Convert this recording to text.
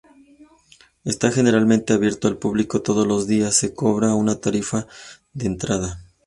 Está generalmente abierto al público todos los días, se cobra una tarifa de entrada.